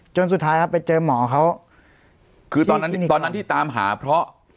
จนสุดท้ายครับไปเจอหมอเขาคือตอนนั้นตอนนั้นที่ตามหาเพราะ